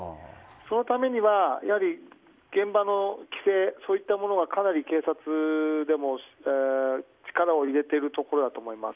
そのためには現場の規制そういったものはかなり警察でも力を入れているところだと思います。